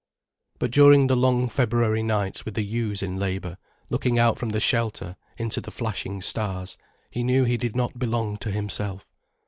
But during the long February nights with the ewes in labour, looking out from the shelter into the flashing stars, he knew he did not belong to himself.